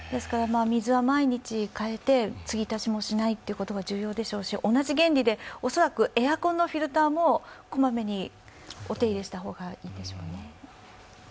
水は毎日替えて、継ぎ足しもしないのが重要でしょうし、同じ原理で、恐らくエアコンのフィルターもこまめにお手入れした方がいいでしょうね。